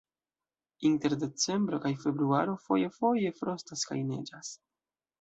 Inter decembro kaj februaro foje-foje frostas kaj neĝas.